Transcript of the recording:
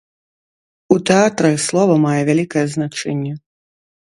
У тэатры слова мае вялікае значэнне.